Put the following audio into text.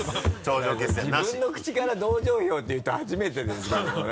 だけど自分の口から同情票って言う人初めてですけどね。